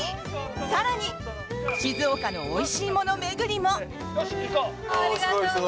更に静岡のおいしいもの巡りも。